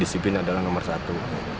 disiplin adalah nomor satu